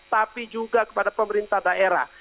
tapi juga kepada pemerintah daerah